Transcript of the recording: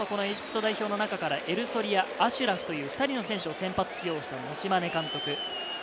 エジプト代表の中からエルソリア、アシュラフという２人の選手を先発起用したモシマネ監督。